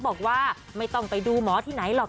บอกว่าไม่ต้องไปดูหมอที่ไหนหรอก